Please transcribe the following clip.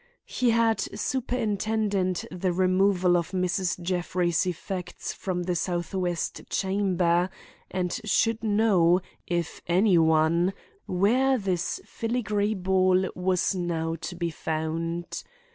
He had superintended the removal of Mrs. Jeffrey's effects from the southwest chamber, and should know, if any one, where this filigree ball was now to be found.